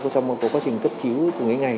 đến hiện tại thì sau một quá trình cấp cứu từng ngày